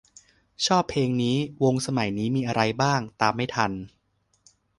ชอบเพลงนี้ วงสมัยนี้มีอะไรบ้าง ตามไม่ทัน